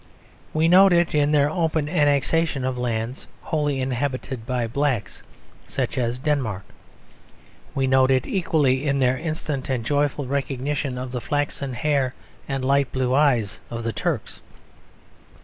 We note it in their open annexation of lands wholly inhabited by negroes, such as Denmark. We note it equally in their instant and joyful recognition of the flaxen hair and light blue eyes of the Turks.